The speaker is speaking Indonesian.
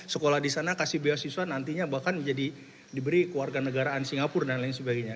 sekolah di sana kasih beasiswa nantinya bahkan menjadi diberi keluarga negaraan singapura dan lain sebagainya